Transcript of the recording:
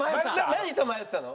何と迷ってたの？